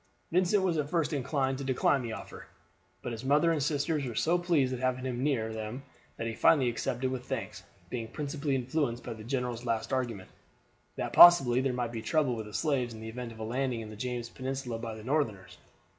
Vincent was at first inclined to decline the offer, but his mother and sisters were so pleased at having him near them that he finally accepted with thanks, being principally influenced by the general's last argument, that possibly there might be trouble with the slaves in the event of a landing in the James Peninsula by the Northerners.